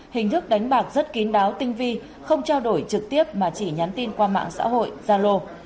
hình thức đánh bạc rất kín đáo tinh vi không trao đổi trực tiếp mà chỉ nhắn tin qua mạng xã hội gia lô